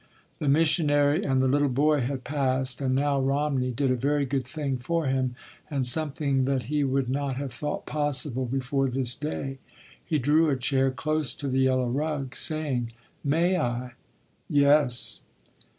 The missionary and the little boy had passed. And now Romney did a very good thing for him, and something that he would not have thought possible before this day. He drew a chair close to the yellow rug, saying: "May I?" "Yes."